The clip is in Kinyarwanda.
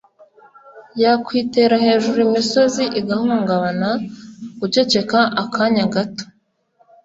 yakwitera hejuru imisozi igahungabana guceceka akanya gato